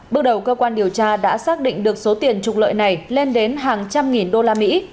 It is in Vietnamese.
bước đầu cơ quan điều tra đã xác định được số tiền trục lợi này lên đến hàng trăm nghìn đô la mỹ